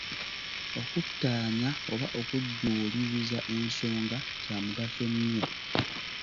Okuttaanya oba okujjuuliriza ensonga kya mugaso nnyo.